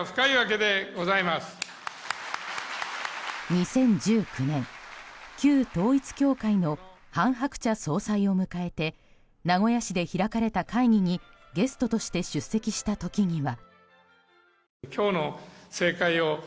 ２０１９年旧統一教会の韓鶴子総裁を迎えて名古屋市で開かれた会議にゲストとして出席した時には。